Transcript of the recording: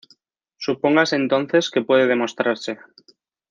Supóngase entonces que puede demostrarse.